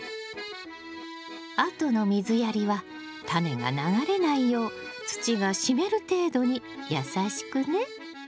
あとの水やりはタネが流れないよう土が湿る程度にやさしくね！